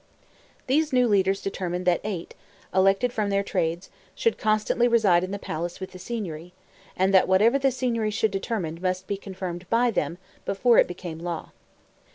These new leaders determined that Eight, elected from their trades, should constantly reside in the palace with the Signory, and that whatever the Signory should determine must be confirmed by them before it became law.